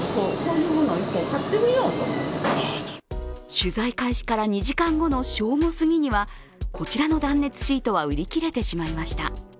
取材開始から２時間後の正午過ぎにはこちらの断熱シートは売り切れてしまいました。